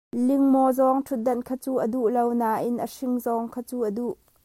Lingmaw zawng ṭhudan kha cu a duh lo, nain a hring zawng kha cu a duh.